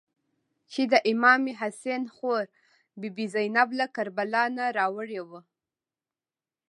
چې د امام حسین خور بي بي زینب له کربلا نه راوړې وه.